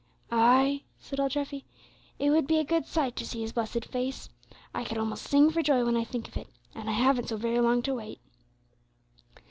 "Ay," said old Treffy, "it would be a good sight to see His blessed face. I could almost sing for joy when I think of it, and I haven't so very long to wait."